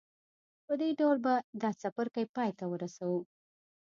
په دې ډول به دا څپرکی پای ته ورسوو.